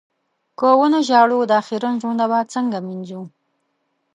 که و نه ژاړو، دا خيرن زړونه به څنګه مينځو؟